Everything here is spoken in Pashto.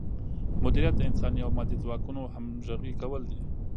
مدیریت د انساني او مادي ځواکونو همغږي کول دي.